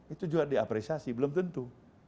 itu juga diapresiasi belum tentu